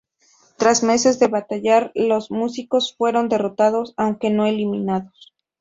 Tras meses de batallar, los Muiscas fueron derrotados aunque no eliminados.